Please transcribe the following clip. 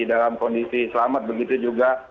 dalam kondisi selamat begitu juga